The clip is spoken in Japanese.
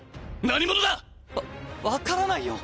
何者だ⁉わ分からないよ。